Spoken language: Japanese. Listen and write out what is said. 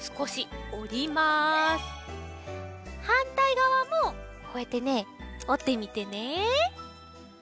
はんたいがわもこうやってねおってみてね。